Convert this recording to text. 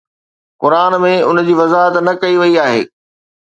قرآن ۾ ان جي وضاحت نه ڪئي وئي آهي